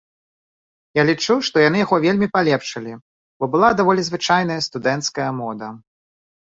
Я лічу, што яны яго вельмі палепшылі, бо была даволі звычайная студэнцкая мода.